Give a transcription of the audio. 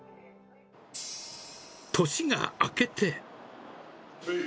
年が明けて。